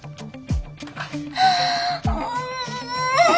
うん。